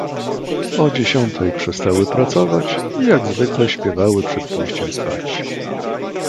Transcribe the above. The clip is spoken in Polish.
"O dziesiątej przestały pracować i jak zwykle śpiewały przed pójściem spać."